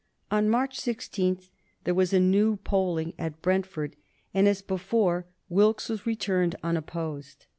On March 16 there was a new polling at Brentford, and, as before, Wilkes was returned unopposed.